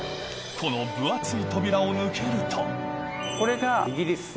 この分厚い扉を抜けるとこれが。